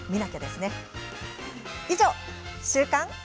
以上、週刊。